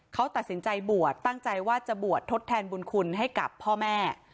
เขาตัดสินใจบวชตั้งใจว่าจะบวชทดแทนบุญคุณให้กับพ่อแม่